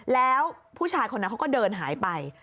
แล้วผู้ชายคนนั้นเขาก็เดินหายไป